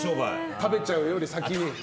食べちゃうより、先に。